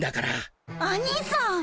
アニさん！